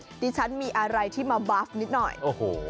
ดิฉันมีอะไรที่มาบาฟนิดหน่อยโอ้โห